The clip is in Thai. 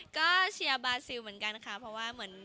ก็เชียร์บาซิลเหมือนกันค่ะเพราะว่าเหมือน